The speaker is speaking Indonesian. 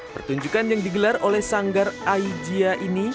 pertunjukan yang digelar oleh sanggar aijia ini